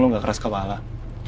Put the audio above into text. lo masih keras kepala aja ya